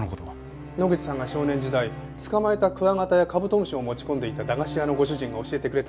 野口さんが少年時代捕まえたクワガタやカブトムシを持ち込んでいた駄菓子屋のご主人が教えてくれたんです。